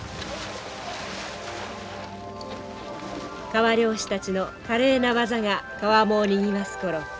川漁師たちの華麗な技が川面をにぎわす頃